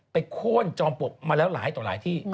โค้นจอมปลวกมาแล้วหลายต่อหลายที่